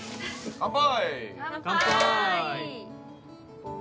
乾杯！